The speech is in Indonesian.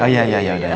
ya udah kita pulang ya